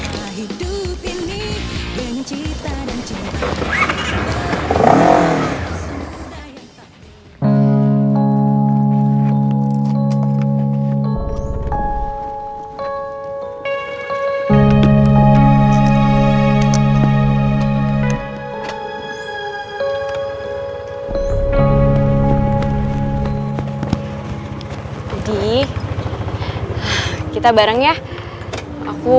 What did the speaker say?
masa gue ditinggal sih